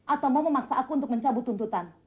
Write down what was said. atau mau memaksa aku untuk mencabut tuntutan